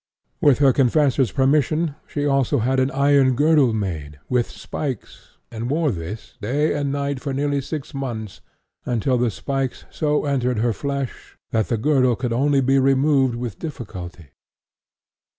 With her confessor's permission, she also had an iron girdle made, with spikes, and wore this day and night for nearly six months until the spikes so entered her flesh that the girdle could only be removed with difficulty.